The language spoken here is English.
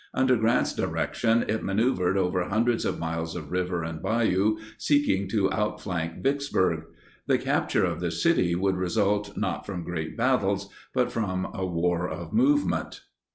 Under Grant's direction it maneuvered over hundreds of miles of river and bayou seeking to outflank Vicksburg. The capture of the city would result not from great battles but from a war of movement.